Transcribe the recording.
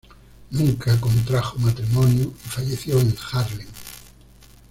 Nunca contrajo matrimonio y falleció en Haarlem.